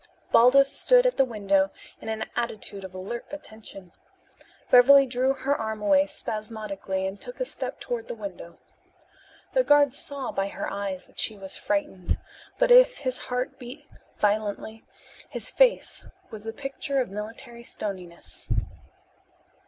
Baldos stood at the window in an attitude of alert attention. Beverly drew her arm away spasmodically and took a step toward the window. The guard saw by her eyes that she was frightened, but, if his heart beat violently, his face was the picture of military stoniness.